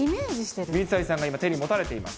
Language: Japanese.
水谷さんが今、手に持たれています。